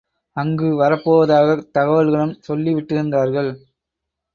அங்கு வரப்போவதாகத் தகவல்களும் சொல்லி விட்டிருந்தார்கள்.